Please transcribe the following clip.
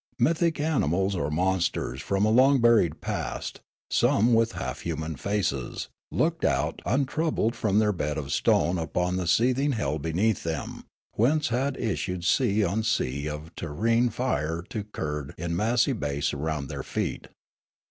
Mythic animals or monsters from a long buried past, some w'ith half human faces, looked out untroubled from their bed of stone upon the seething hell beneath them, whence had issued sea on sea of terrene fire to curd in massy base around their feet.